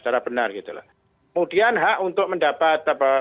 kemudian hak untuk mendapat